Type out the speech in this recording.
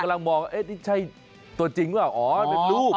กำลังมองว่านี่ใช่ตัวจริงหรือเปล่าอ๋อเป็นลูก